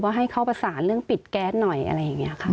ให้เขาประสานเรื่องปิดแก๊สหน่อยอะไรอย่างนี้ค่ะ